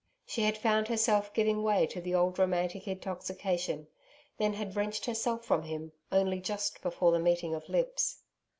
She had found herself giving way to the old romantic intoxication then had wrenched herself from him only just before the meeting of lips.